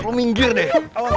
lo minggir deh